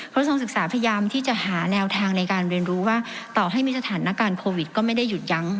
กระทรวงศึกษาพยายามที่จะหาแนวทางในการเรียนรู้ว่าต่อให้มีสถานการณ์โควิดก็ไม่ได้หยุดยั้ง